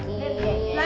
belajar baca dong coba